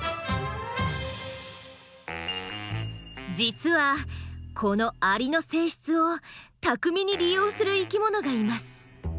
実はこのアリの性質を巧みに利用する生きものがいます。